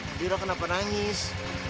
nadira kenapa nangis